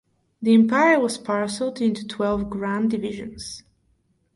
The empire was parcelled into twelve grand divisions.